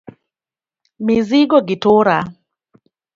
Mizigo gi tura